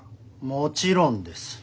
もちろんです。